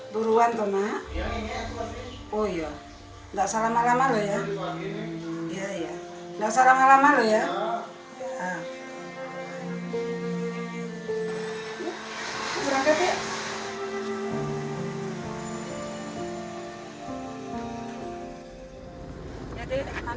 buruan tuh mak